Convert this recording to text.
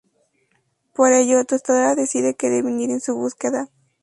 Por ello, Tostadora decide que deben ir en su búsqueda.